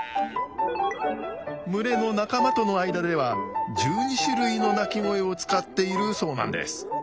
群れの仲間との間では１２種類の鳴き声を使っているそうなんです。